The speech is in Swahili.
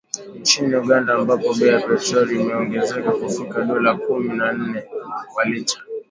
Nchini Uganda ambapo bei ya petroli imeongezeka kufikia dola kumi na nne kwa lita